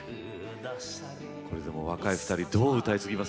これでも若い２人どう歌い継ぎますかね。